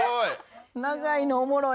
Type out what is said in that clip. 長いのおもろい。